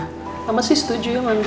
kama sih setuju ya ngambil